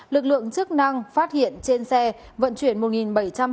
lực lượng chức năng phát hiện trên xe vận chuyển một bảy trăm hai mươi sản phẩm